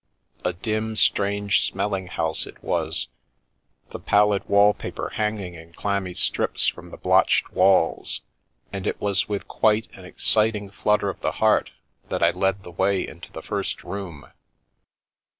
A dim, strange smelling house it was, the pallid wall paper hanging in clammy strips from the blotched walls; and it was with quite an exciting flutter of the heart that I led the way into the first room.